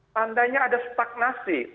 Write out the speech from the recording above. tandanya ada stagnasi